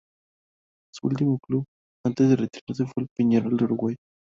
Su último club antes de retirarse fue Peñarol de Uruguay.